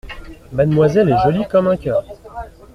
Mademoiselle est jolie comme un cœur !